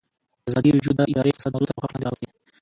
ازادي راډیو د اداري فساد موضوع تر پوښښ لاندې راوستې.